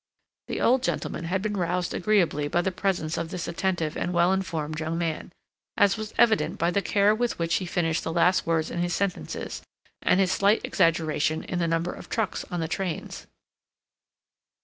The old gentleman had been roused agreeably by the presence of this attentive and well informed young man, as was evident by the care with which he finished the last words in his sentences, and his slight exaggeration in the number of trucks on the trains.